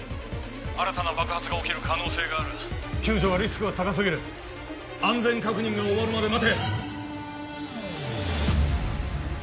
新たな爆発が起きる可能性がある救助はリスクが高すぎる安全確認が終わるまで待て！